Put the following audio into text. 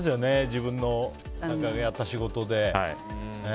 自分のやった仕事で。